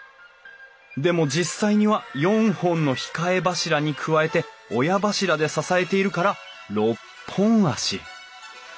でも実際には４本の控え柱に加えて親柱で支えているから６本脚。